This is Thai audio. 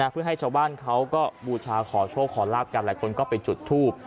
เพื่อให้ชาวบ้านเขาก็บูชาขอโชคขอลาบกันหลายคนก็ไปจุดทูบ